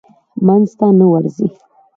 منځ ته نه ورځي.